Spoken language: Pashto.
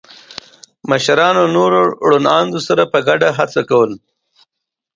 مشرانو له نورو روڼ اندو سره په ګډه هڅه کوله.